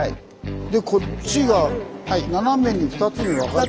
でこっちが斜めに２つに分かれている。